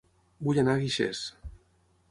Vull anar a Guixers